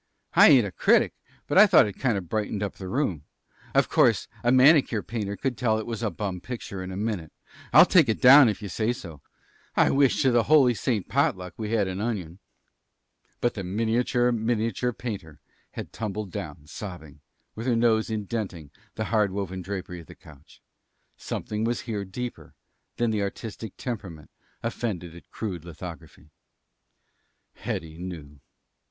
I ain't a critic; but I thought it kind of brightened up the room. Of course, a manicure painter could tell it was a bum picture in a minute. I'll take it down if you say so. I wish to the holy Saint Potluck we had an onion." But the miniature miniature painter had tumbled down, sobbing, with her nose indenting the hard woven drapery of the couch. Something was here deeper than the artistic temperament offended at crude lithography. Hetty knew.